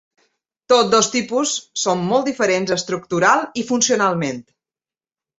Tots dos tipus són molt diferents estructuralment i funcionalment.